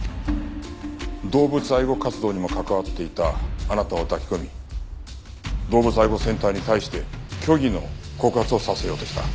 動物愛護活動にも関わっていたあなたを抱き込み動物愛護センターに対して虚偽の告発をさせようとした。